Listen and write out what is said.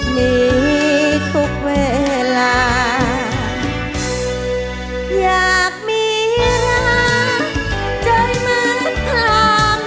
นี้ทุกเวลาอยากมีรักใจมัดพล่ำ